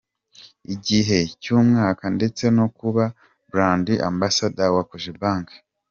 gihe cy’umwaka ndetse no kuba brand ambassador wa Cogebank.